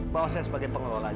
bahwa saya sebagai pengelola